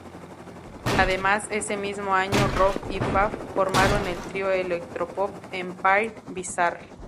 Además, ese mismo año Rob y Fab formaron el trío electropop "Empire Bizarre".